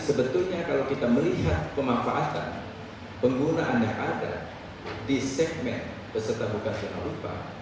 sebetulnya kalau kita melihat kemanfaatan penggunaan yang ada di segmen peserta bukan penerima upah